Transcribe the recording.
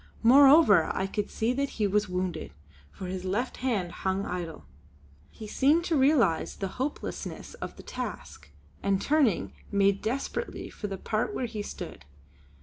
Moreover I could see that he was wounded, for his left hand hung idle. He seemed to realise the hopelessness of the task, and turning, made desperately for the part where we stood.